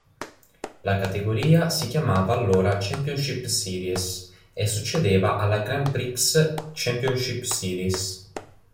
La categoria si chiamava allora "Championship Series" e succedeva alla Grand Prix Championship Series.